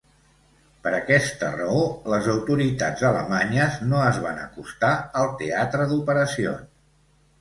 Per aquesta raó, les autoritats alemanyes no es van acostar al teatre d'operacions.